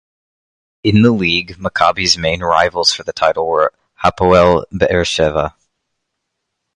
In the league, Maccabi's main rivals for the title were Hapoel Be'er Sheva.